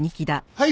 はい。